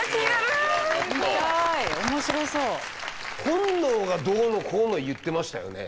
本能がどうのこうの言ってましたよね。